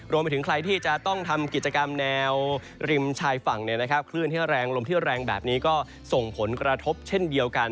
รวมไปถึงใครที่จะต้องทำกิจกรรมแนวริมชายฝั่งคลื่นที่แรงลมที่แรงแบบนี้ก็ส่งผลกระทบเช่นเดียวกัน